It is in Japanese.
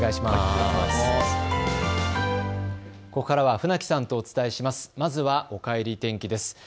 ここからは船木さんとお伝えします。